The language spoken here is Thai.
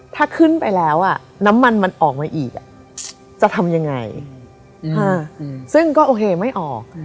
ถ้าขึ้นไปแล้วน้ำมันมันออกมาอีกจะทำยังไงซึ่งก็โอเคไม่ออก